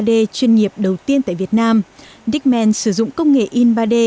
đơn vị in ba d chuyên nghiệp đầu tiên tại việt nam dickman sử dụng công nghệ in ba d để sản xuất ra các sản phẩm